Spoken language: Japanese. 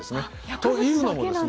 というのもですね